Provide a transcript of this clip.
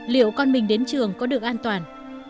liệu con mình đến trường có được an toàn